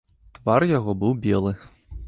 Твар яго быў белы.